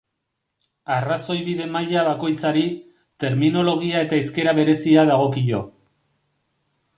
Arrazoibide-maila bakoitzari, terminologia eta hizkera berezia dagokio.